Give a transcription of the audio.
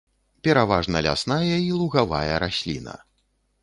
Пераважна лясная і лугавая расліна.